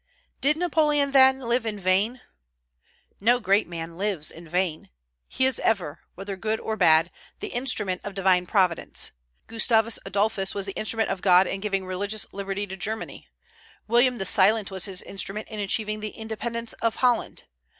Did Napoleon, then, live in vain? No great man lives in vain. He is ever, whether good or bad, the instrument of Divine Providence, Gustavus Adolphus was the instrument of God in giving religious liberty to Germany. William the Silent was His instrument in achieving the independence of Holland.